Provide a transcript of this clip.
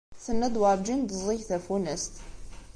Tenna-d werǧin d-teẓẓig tafunast.